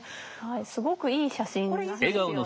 すごくいい写真なんですよね。